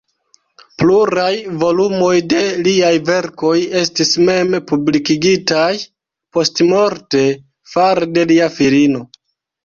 Pluraj volumoj de liaj verkoj estis mem-publikigitaj postmorte fare de lia filino.